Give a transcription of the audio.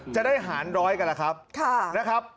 จะได้หารร้อยกันล่ะครับ